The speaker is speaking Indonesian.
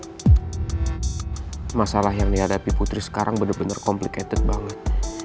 tapi masalah yang dihadapi putri sekarang bener bener komplikated banget